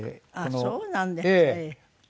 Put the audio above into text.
そうなんですね。